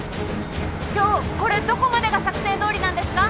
今日これどこまでが作戦どおりなんですか？